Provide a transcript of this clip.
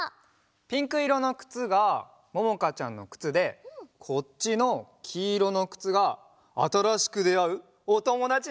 ピンクいろのくつがももかちゃんのくつでこっちのきいろのくつがあたらしくであうおともだちのくつなんだって！